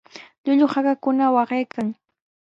Llullu hakakuna waqaykan.